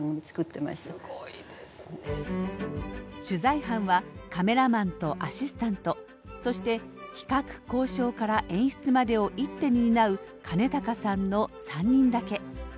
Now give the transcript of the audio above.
取材班はカメラマンとアシスタントそして企画交渉から演出までを一手に担う兼高さんの３人だけ。